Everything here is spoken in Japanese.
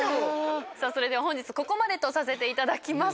それでは本日ここまでとさせていただきます。